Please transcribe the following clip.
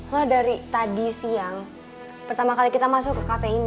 wah dari tadi siang pertama kali kita masuk ke kafe ini